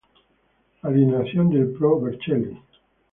Alineación del Pro Vercelli